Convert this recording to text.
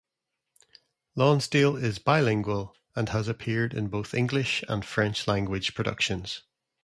Lonsdale is bilingual and has appeared in both English and French language productions.